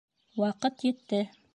Ваҡыт етте.